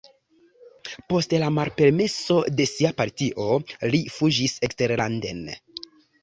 Post la malpermeso de sia partio li fuĝis eksterlanden.